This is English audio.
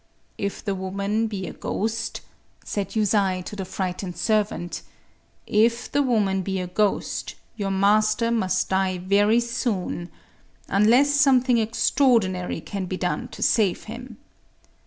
"If the woman be a ghost,"—said Yusai to the frightened servant, "—if the woman be a ghost, your master must die very soon,—unless something extraordinary can be done to save him.